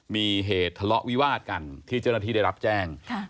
มีเหตุทะเลาะวิวาดกันที่เจ้าหน้าที่ได้รับแจ้ง